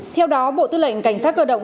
theo đó bộ tư lệnh cảnh sát cơ động